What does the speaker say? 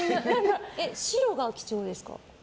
白が基調ですか？